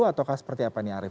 atau seperti apa nih arief